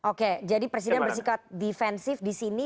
oke jadi presiden bersikap defensif disini